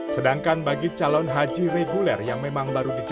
sedangkan bagi calon haji reguler yang memang baru dijalankan